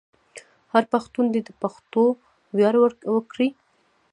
هر پښتون دې د پښتو ویاړ وکړي.